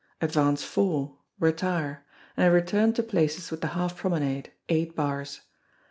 Advance four, retire, and return to places with the half promenade, eight bars.